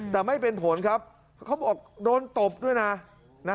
แต่ไม่เป็นผลครับเขาบอกโดนตบด้วยนะ